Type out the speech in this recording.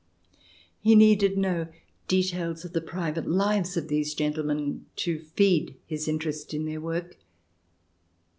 He needed no details of the private lives of these gentlemen to feed his interest in their work.